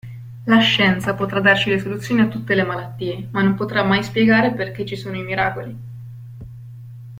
La scienza potrà darci le soluzioni a tutte le malattie ma non potrà mai spiegare perché ci sono i miracoli.